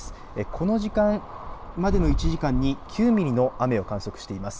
この時間までの１時間に９ミリの雨を観測しています。